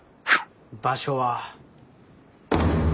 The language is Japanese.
場所は。